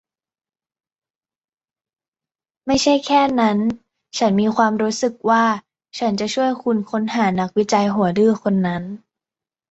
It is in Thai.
ไม่ใช่แค่นั้น ฉันมีความรู้สึกว่าฉันจะช่วยคุณค้นหานักวิจัยหัวดื้อคนนั้น